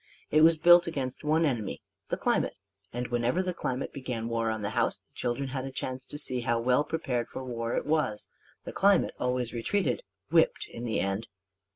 It was built against one enemy the climate. And whenever the climate began war on the house, the children had a chance to see how well prepared for war it was: the climate always retreated, whipped in the end.